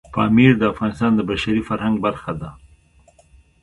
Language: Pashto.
پامیر د افغانستان د بشري فرهنګ برخه ده.